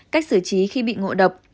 cách xử trí khi bị ngộ độc